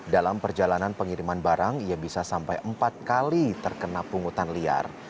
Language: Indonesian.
dalam perjalanan pengiriman barang ia bisa sampai empat kali terkena pungutan liar